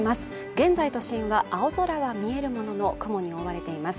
現在都心は青空は見えるものの、雲に覆われています。